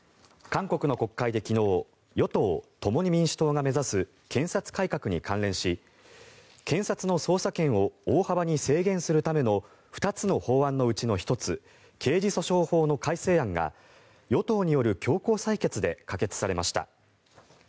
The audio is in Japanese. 韓国の国会で昨日与党・共に民主党が目指す検察改革に関連し検察の捜査権を大幅に制限するための２つの法案のうちの１つ刑事訴訟法の改正案が与党による強行採決で可決されました。